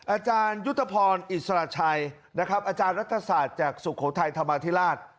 อาจารยุทธพรอิสระชัยนะครับอาจารย์รัฐศาสตร์จากสุโขทัยธรรมาธิราช